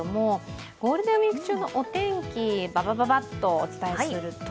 ゴールデンウイーク中のお天気、ババババッとお伝えすると？